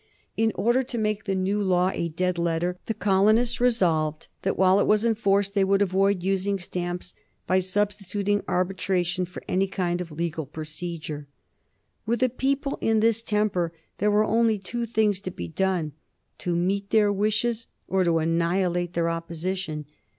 In order to make the new law a dead letter the colonists resolved that while it was in force they would avoid using stamps by substituting arbitration for any kind of legal procedure. With a people in this temper, there were only two things to be done; to meet their wishes, or to annihilate their opposition.